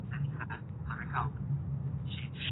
د سوداګرۍ وزارت څارنه کوي.